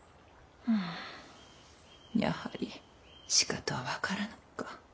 やはりしかとは分からぬか。